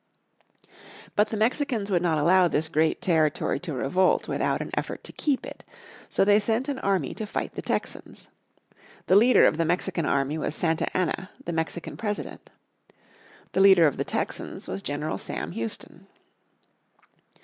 But the Mexicans would not allow this great territory to revolt without an effort to keep it. So they sent an army to fight the Texans. The leader of the Mexican army was Santa Anna, the Mexican President. The leader of the Texans was General Sam Houston.